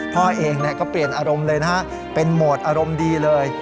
พ่อเองก็เปลี่ยนอารมณ์เลยนะฮะเป็นโหมดอารมณ์ดีเลย